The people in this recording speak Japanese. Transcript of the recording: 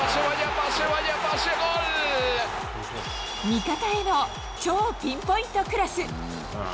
味方への超ピンポイントクロス。